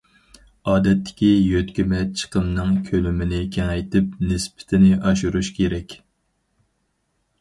ئادەتتىكى يۆتكىمە چىقىمنىڭ كۆلىمىنى كېڭەيتىپ، نىسبىتىنى ئاشۇرۇش كېرەك.